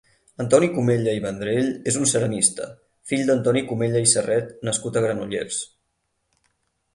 Antoni Cumella i Vendrell és un ceramista, fill d'Antoni Cumella i Serret nascut a Granollers.